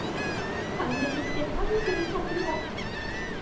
感激してハグする客も。